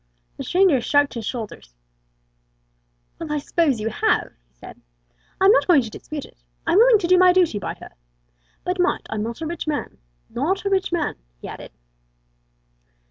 The stranger shrugged his shoulders. "Well, I s'pose you have," he said; "I'm not going to dispute it. I'm willing to do my duty by her. But mind, I'm not a rich man not a rich man," he added.